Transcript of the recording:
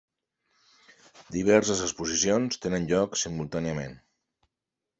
Diverses exposicions tenen lloc simultàniament.